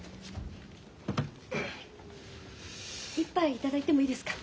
一杯頂いてもいいですか？